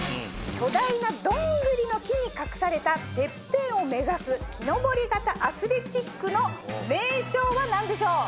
巨大なドングリの木に隠されたてっぺんを目指す木登り型アスレチックの名称は何でしょう？